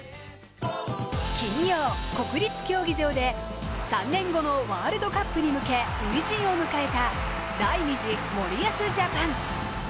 金曜、国立競技場で３年後のワールドカップに向け初陣を迎えた第２次森保ジャパン。